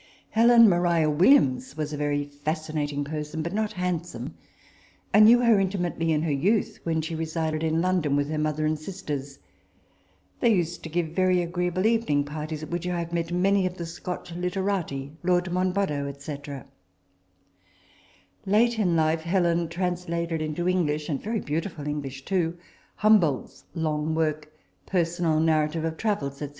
Helen Maria Williams was a very fascinating person ; but not handsome. I knew her intimately in her youth, when she resided in London with her mother and sisters. They used to give very agree able evening parties, at which I have met many of the Scotch literati, Lord Monboddo, &c. Late in life, Helen translated into English, and very beautiful English too, Humboldt's long work, " Personal Narrative of Travels," &c.